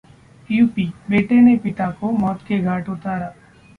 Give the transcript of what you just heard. UP बेटे ने पिता को मौत के घाट उतारा